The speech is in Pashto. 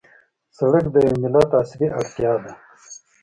سړک د یوه ملت عصري اړتیا ده.